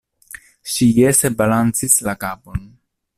Ŝi jese balancis la kapon.